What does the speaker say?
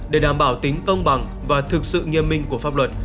để đảm bảo tính công bằng và thực sự nghiêm minh của pháp luật